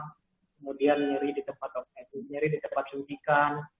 kemudian nyari di tempat suntikan